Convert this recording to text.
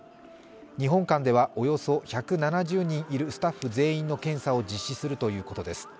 日本館ではおよそ１７０人いるスタッフ全員の検査を実施するということです。